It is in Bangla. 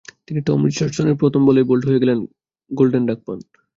তিনি টম রিচার্ডসনের প্রথম বলেই বোল্ড হয়ে গোল্ডেন ডাক পান।